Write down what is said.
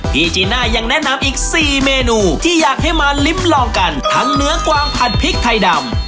จีน่ายังแนะนำอีก๔เมนูที่อยากให้มาลิ้มลองกันทั้งเนื้อกวางผัดพริกไทยดำ